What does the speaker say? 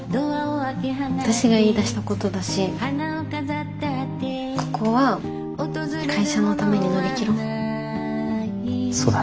私が言いだしたことだしここは会社のために乗り切ろう。